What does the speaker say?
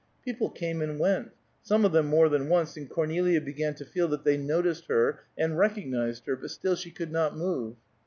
People came and went; some of them more than once, and Cornelia began to feel that they noticed her and recognized her, but still she could not move.